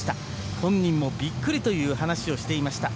本人もビックリという話をしていました。